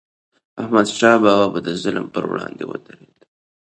احمدشاه بابا به د ظلم پر وړاندې ودرید.